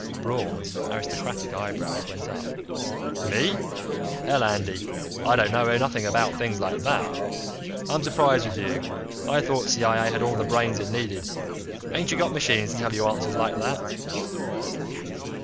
Braun's aristocratic eyebrows went up. "Me? Hell, Andy, I don't know nothing about things like that. I'm surprised with you. I thought CIA had all the brains it needed ain't you got machines to tell you answers like that?"